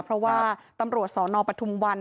เพราะว่าตำรวจสนปทุมวัน